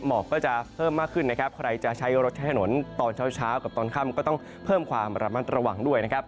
หมอกก็จะเพิ่มมากขึ้นนะครับใครจะใช้รถใช้ถนนตอนเช้าเช้ากับตอนค่ำก็ต้องเพิ่มความระมัดระวังด้วยนะครับ